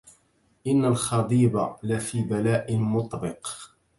إن الخضيب لفي بلاء مطبق